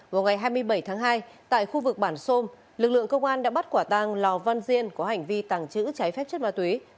vào ngày hai mươi bảy tháng hai tại khu vực bản sôm lực lượng công an đã bắt quả tang lò văn diên có hành vi tàng trữ trái phép chất ma túy